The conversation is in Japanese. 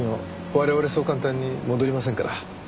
我々そう簡単に戻りませんから。